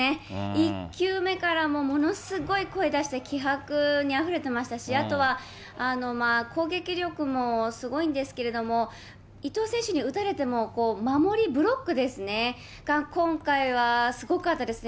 １球目からものすごい声出して気迫にあふれてましたし、あとは攻撃力もすごいんですけれども、伊藤選手に打たれても、守り、ブロックですね、が、今回はすごかったですね。